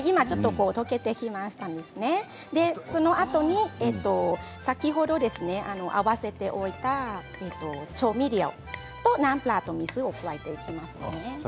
このあとに先ほど合わせておいた調味料とナムプラーと水を加えていきます。